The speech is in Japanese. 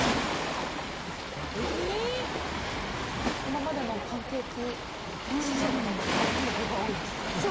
えー、今までのパンケーキ史上で最も具が多いです。